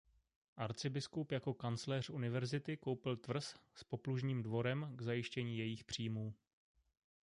Arcibiskup jako kancléř university koupil tvrz s poplužním dvorem k zajištění jejích příjmů.